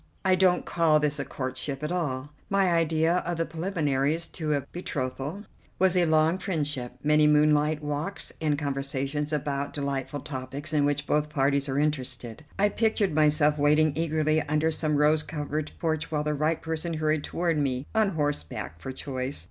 I don't call this a courtship at all. My idea of the preliminaries to a betrothal was a long friendship, many moonlight walks, and conversations about delightful topics in which both parties are interested. I pictured myself waiting eagerly under some rose covered porch while the right person hurried toward me, on horseback for choice.